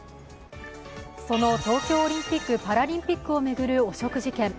その東京オリンピック・パラリンピックを巡る汚職事件。